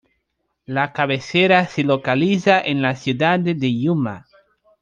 La cabecera se localiza en la ciudad de Yuma.